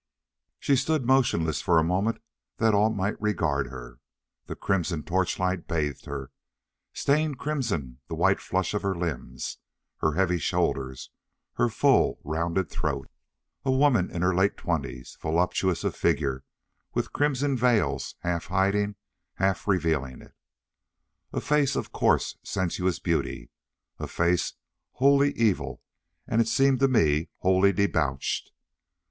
She stood motionless for a moment that all might regard her. The crimson torchlight bathed her, stained crimson the white flush of her limbs, her heavy shoulders, her full, rounded throat. A woman in her late twenties. Voluptuous of figure, with crimson veils half hiding, half revealing it. A face of coarse, sensuous beauty. A face wholly evil, and it seemed to me wholly debauched.